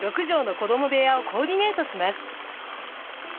６畳の子ども部屋をコーディネートします。